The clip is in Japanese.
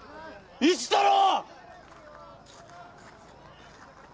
一太郎ー！